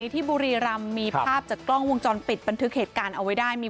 ที่บุรีรำมีภาพจากกล้องวงจรปิดบันทึกเหตุการณ์เอาไว้ได้มี